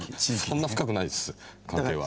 そんな深くないっす関係は。